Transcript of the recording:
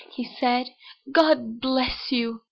he said, "God bless you!"